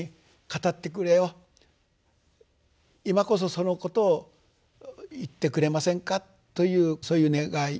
「今こそそのことを言ってくれませんか」というそういう願い祈り